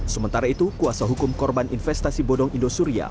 sementara itu kuasa hukum korban investasi bodong indosuria